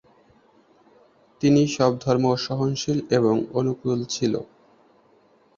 তিনি সব ধর্ম সহনশীল এবং অনুকূল ছিল।